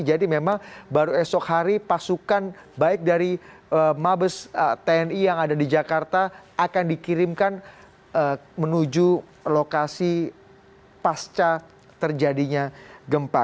jadi memang baru esok hari pasukan baik dari mabes tni yang ada di jakarta akan dikirimkan menuju lokasi pasca terjadinya gempa